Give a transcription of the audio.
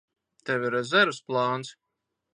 Tev ir rezerves plāns?